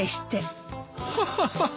ハハハハ。